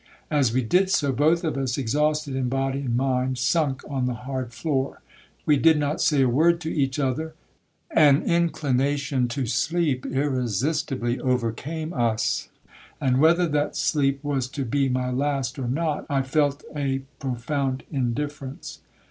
As we did so, both of us, exhausted in body and mind, sunk on the hard floor. We did not say a word to each other, an inclination to sleep irresistibly overcame us; and whether that sleep was to be my last or not, I felt a profound indifference.